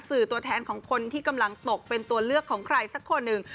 ตัวแทนของคนที่กำลังตกเป็นตัวเลือกของใครสักคนหนึ่ง